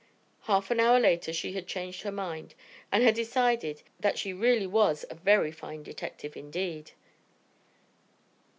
Half an hour later she had changed her mind and had decided that she really was a very fine detective indeed.